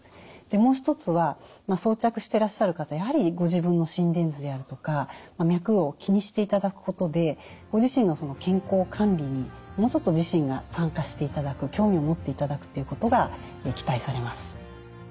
もう一つは装着してらっしゃる方やはりご自分の心電図であるとか脈を気にしていただくことでご自身の健康管理にもうちょっと自身が参加していただく興味を持っていただくということが期待されます。